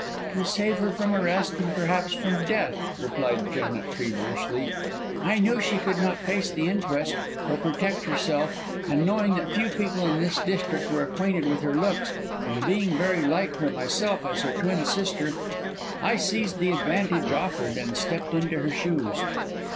"To save her from arrest and perhaps from death," replied Janet, feverishly. "I knew she could not face the inquest, or protect herself, and knowing that few people in this district were acquainted with her looks, and being very like her myself as her twin sister, I seized the advantage offered, and stepped into her shoes."